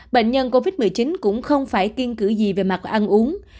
bệnh nhân covid một mươi chín cũng không phải kiên cử gì về mặt ăn uống